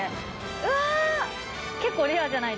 うわ！